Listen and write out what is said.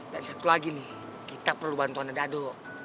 dan satu lagi nih kita perlu bantuan dado